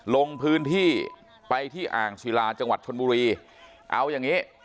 ลงพื้นที่ไปที่อ่างศิลาจังหวัดชนบุรีเอาอย่างงี้